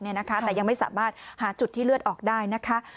แต่ยังไม่สามารถหาจุดที่เลือดออกได้นะคะ